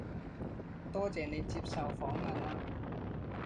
多謝你接受訪問啊